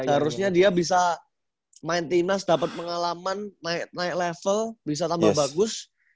seharusnya dia bisa main tim nas dapat pengalaman naik level bisa tambah bagus